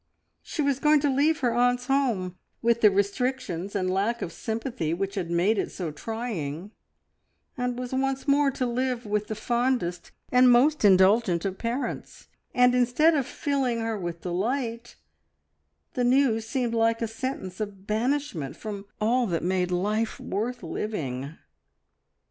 She was going to leave her aunt's home, with the restrictions and lack of sympathy which had made it so trying, and was once more to live with the fondest and most indulgent of parents, and instead of filling her with delight the news seemed like a sentence of banishment from all that made life worth living!